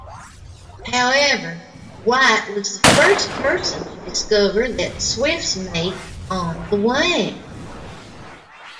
However, White was the first person to discover that swifts mate on the wing.